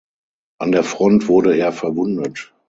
An der Front wurde er verwundet.